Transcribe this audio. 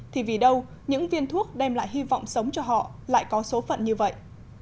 thì vì đâu những viên thuốc đem lại hy vọng sống cho họ lại có số phận như vậy